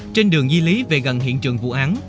trên đường di lý về gần hiện trường vụ án